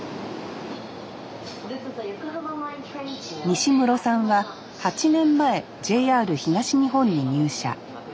西室さんは８年前ＪＲ東日本に入社。